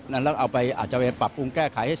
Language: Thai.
และอาจจะไปปรับพุนแก้ไข่